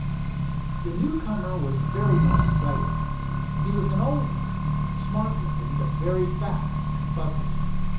The newcomer was very much excited. He was an old man, smart looking, but very fat and fussy.